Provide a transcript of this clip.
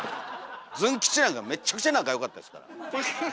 ズン吉なんかめっちゃくちゃ仲良かったですからね！